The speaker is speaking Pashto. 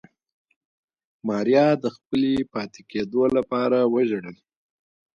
ماريا د خپلې پاتې کېدو لپاره وژړل.